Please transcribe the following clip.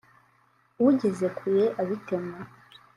ugeze kure abitema